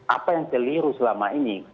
apa yang keliru selama ini